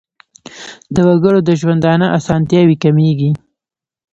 د وګړو د ژوندانه اسانتیاوې کمیږي.